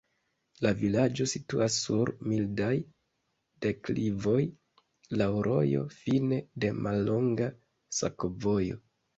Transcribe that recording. La vilaĝo situas sur mildaj deklivoj, laŭ rojo, fine de mallonga sakovojo.